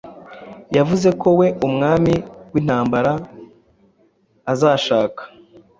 Yavuze ko we umwami-wintambara azashaka